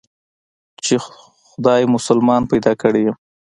چې خداى مسلمان پيدا کړى يم.